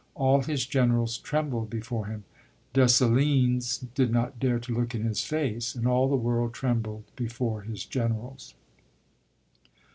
All his generals trembled before him (Dessalines did not dare to look in his face), and all the world trembled before his generals."